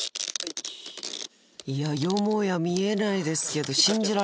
いやよもや見えないですけど信じられない！